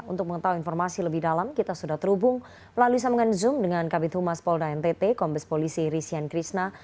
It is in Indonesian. untuk mengetahui informasi lebih dalam kita sudah terhubung melalui sambungan zoom dengan kabit humas polda ntt kombes polisi risian krishna